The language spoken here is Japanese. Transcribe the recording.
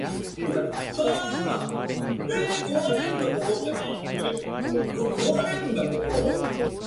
長い箸でニューッとつまんで出される度に能書がついたのでは、